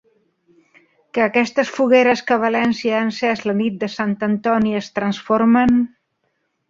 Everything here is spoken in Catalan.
Que aquestes fogueres que València ha encés la nit de Sant Antoni es transformen!